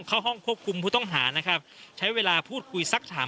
เข้าห้องควบคุมผู้ต้องหานะครับใช้เวลาพูดคุยสักถาม